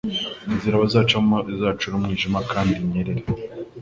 Inzira bacamo izacure umwijima kandi inyerere